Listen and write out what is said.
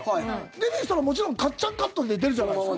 デビューしたら、もちろんかっちゃんカットで出るじゃないですか。